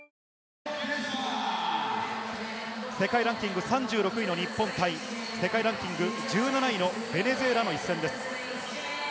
世界ランキング３６位の日本対、世界ランキング１７位のベネズエラの一戦です。